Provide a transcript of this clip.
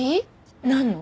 なんの？